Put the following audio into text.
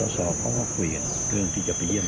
สอบเขาก็คุยกันเรื่องที่จะไปเยี่ยม